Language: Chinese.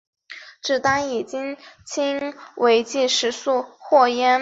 板桥站的铁路车站。